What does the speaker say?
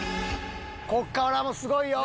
ここからもすごいよ。